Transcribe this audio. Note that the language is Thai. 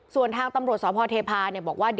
ส่วนทางตำรวจสภเทพาณคร์เนี่ยบอกว่า